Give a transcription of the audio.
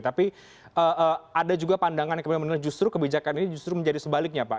tapi ada juga pandangan yang kemudian menilai justru kebijakan ini justru menjadi sebaliknya pak